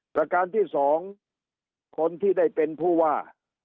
ประการที่๒คนที่ได้เป็นผู้ว่า